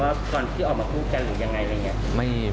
ว่าก่อนที่ออกมาพูดกันหรือยังไง